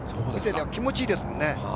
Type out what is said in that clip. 気持ち良いですもんね。